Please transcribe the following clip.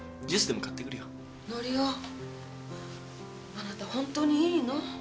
あなた本当にいいの？